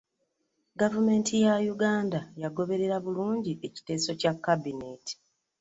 Gavumenti ya Uganda yagoberera bulungi ekiteeso kya Kabinenti